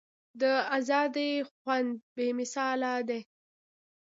د ازادۍ خوند بې مثاله دی.